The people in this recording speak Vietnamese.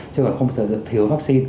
chứ còn không sợ thiếu vaccine